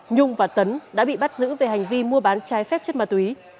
nhung và tấn đã bị bắt giữ về hành vi mua bán trái phép chất ma túy